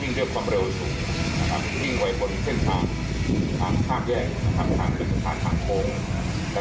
ยิงด้วยเร็วสูงนะครับหังพราบแห่งหังขังหังพร้อม